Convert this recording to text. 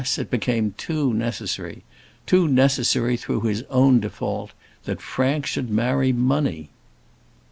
it became too necessary too necessary through his own default that Frank should marry money!